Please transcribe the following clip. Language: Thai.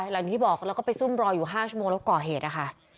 อย่างที่บอกแล้วก็ไปซุ่มรออยู่๕ชั่วโมงแล้วก่อเหตุนะคะ